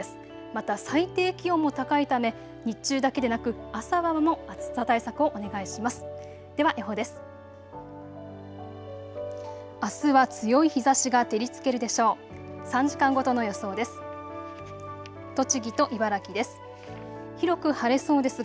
また最低気温も高いため日中だけでなく朝晩も暑さ対策をお願いします。